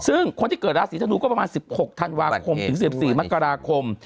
ซึ่งคนที่เกิดราศีธนูก็ประมาณ๑๖ธันวาคมถึง๑๔มกราคม